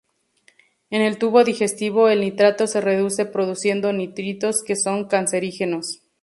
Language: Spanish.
En el tubo digestivo el nitrato se reduce produciendo nitritos, que son cancerígenos.